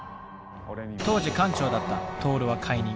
当時艦長だったトオルは解任。